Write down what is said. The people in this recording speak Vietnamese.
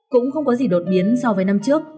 cũng không có gì đột biến so với năm trước